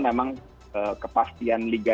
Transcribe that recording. memang kepastian liga